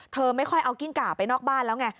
ไม่ค่อยเอากิ้งก่าไปนอกบ้านแล้วไง